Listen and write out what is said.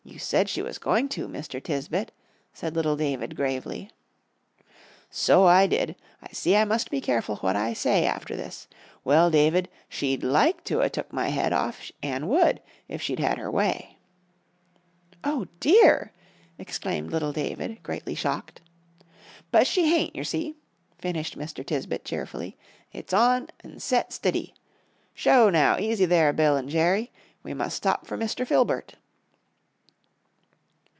"You said she was going to, Mr. Tisbett," said little David, gravely. "So I did. I see I must be careful what I say, after this. Well, David, she'd like to 'a' took my head off, an' would, if she'd had her way." "O dear!" exclaimed little David, greatly shocked. "But she hain't, yer see," finished Mr. Tisbett, cheerfully, "it's on, an' set stiddy. Sho, now, easy there, Bill and Jerry! We must stop for Mr. Filbert."